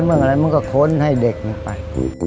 ไม่ว่าอะไรยังมองค้นให้เด็กไป